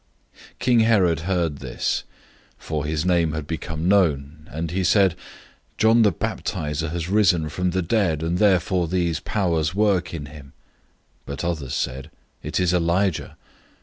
006:014 King Herod heard this, for his name had become known, and he said, "John the Baptizer has risen from the dead, and therefore these powers are at work in him." 006:015 But others said, "It is Elijah."